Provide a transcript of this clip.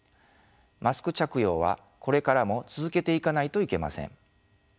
マスク着用はこれからも続けていかないといけません。